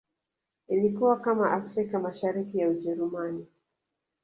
Ilikuwa kama Afrika Mashariki ya Ujerumani